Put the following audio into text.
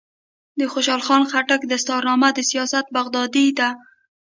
د خوشحال خان خټک دستارنامه د سیاست بغدادي ده.